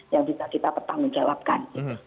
yang bisa kita pertanggungjawabkan